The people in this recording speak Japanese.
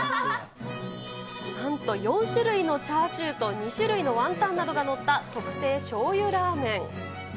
なんと４種類のチャーシューと２種類のワンタンなどが載った特製醤油らぁ麺。